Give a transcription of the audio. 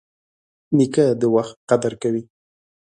نیکه د وخت قدر کوي.